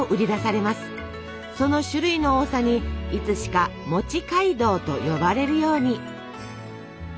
その種類の多さにいつしか「街道」と呼ばれるように。